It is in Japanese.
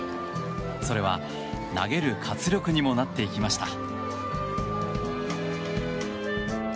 それは投げる活力にもなっていきました。